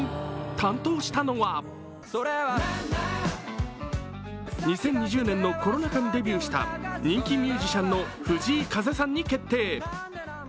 担当したのは２０２０年のコロナ禍にデビューした人気ミュージシャンの藤井風さんに決定。